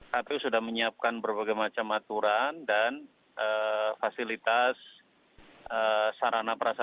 kpu sudah menyiapkan berbagai macam aturan dan fasilitas sarana prasarana